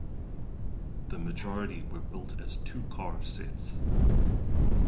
The majority were built as two-car sets.